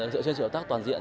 dựa trên sự hợp tác toàn diện